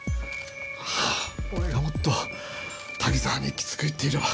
ああ俺がもっと滝沢にきつく言っていれば。